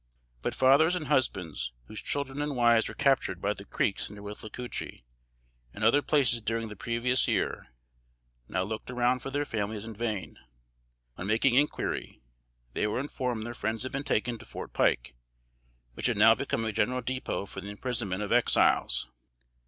But fathers and husbands, whose children and wives were captured by the Creeks near Withlacoochee and other places during the previous year, now looked around for their families in vain. On making inquiry, they were informed their friends had been taken to Fort Pike, which had now become a general depot for the imprisonment of Exiles.